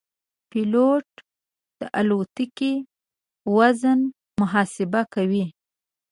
پیلوټ د الوتکې وزن محاسبه کوي.